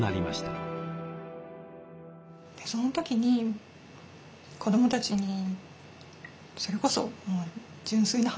その時に子どもたちにそれこそもう純粋な反応ですよ。